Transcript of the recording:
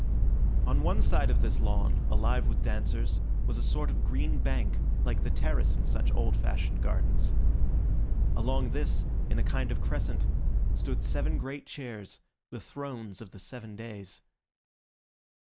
On one side of this lawn, alive with dancers, was a sort of green bank, like the terrace in such old fashioned gardens. Along this, in a kind of crescent, stood seven great chairs, the thrones of the seven days.